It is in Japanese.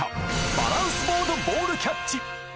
バランスボードボールキャッチ。